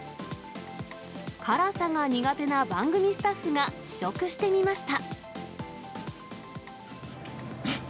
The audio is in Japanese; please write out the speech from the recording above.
辛さが苦手な番組スタッフが試食してみました。